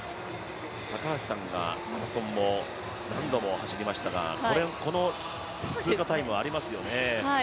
高橋さんがマラソン、何度も走りましたがこの通過タイムはありますよね。